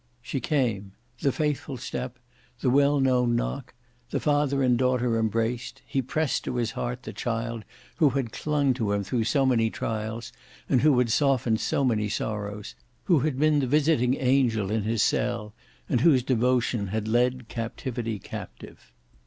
She came; the faithful step, the well known knock; the father and the daughter embraced; he pressed to his heart the child who had clung to him through so many trials, and who had softened so many sorrows, who had been the visiting angel in his cell, and whose devotion had led captivity captive.